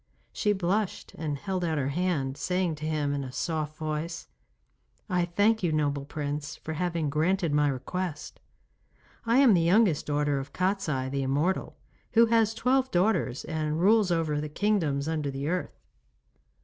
She blushed and held out her hand, saying to him in a soft voice: 'I thank you, noble Prince, for having granted my request. I am the youngest daughter of Kostiei the immortal, who has twelve daughters and rules over the kingdoms under the earth.